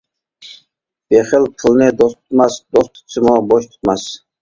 بېخىل پۇلنى دوست تۇتماس، دوست تۇتسىمۇ بوش تۇتماس.